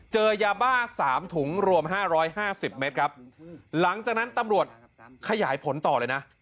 เจอยาบ้าสามถุงรวมห้าร้อยห้าสิบเมตรครับหลังจากนั้นตำรวจขยายผลต่อเลยนะ